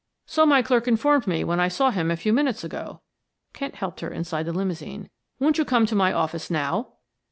"So my clerk informed me when I saw him a few minutes ago." Kent helped her inside the limousine. "Won't you come to my office now?"